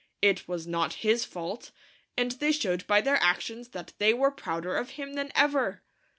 It was not his fault ; and they showed by their actions that they were prouder of him than ever.